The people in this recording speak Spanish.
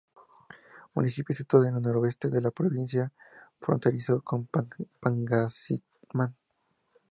Municipio situado al noroeste de la provincia, fronterizo con Pangasinán.